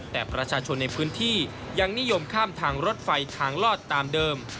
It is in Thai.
แต่ประชาชนในพื้นที่ยังนิยมข้ามทางรถไฟทางลอดตามเดิม